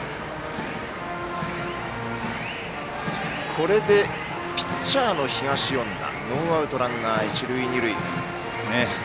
これでピッチャーの東恩納ノーアウトランナー、一塁二塁。